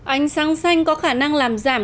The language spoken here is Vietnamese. ánh sáng xanh có khả năng làm giảm